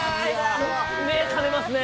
目、覚めますね。